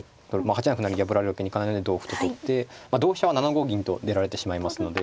８七歩成に破られるわけにはいかないので同歩と取って同飛車は７五銀と出られてしまいますので。